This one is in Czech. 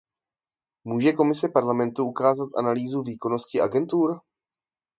Může Komise Parlamentu ukázat analýzu výkonnosti agentur?